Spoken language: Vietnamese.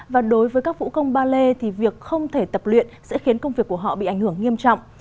và đối với các vũ công ballet việc không thể tập luyện sẽ khiến công việc của họ bị ảnh hưởng nghiêm trọng